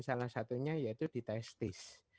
salah satunya yaitu di testis